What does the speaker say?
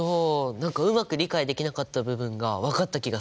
何かうまく理解できなかった部分が分かった気がする。